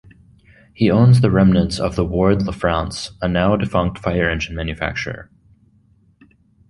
He also owns the remnants of the Ward LaFrance a now-defunct fire engine manufacturer.